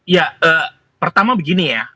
ya pertama begini ya